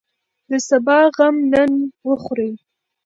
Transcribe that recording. د سبا غم نن وخورئ.